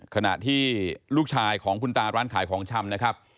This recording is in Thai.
ขณะที่ลูกชายของคุณตาร้านขายของชำนะครับ